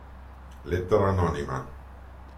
Lettera anonima